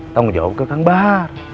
tanggung jawab ke kang bahar